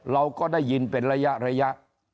เราก็ได้ยินเป็นระยะ